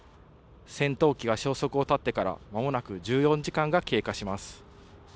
戦闘機が消息を絶ってからまもなく１４時間が経過します。